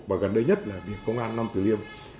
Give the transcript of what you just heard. và gần đây nhất là công an nam tử liêm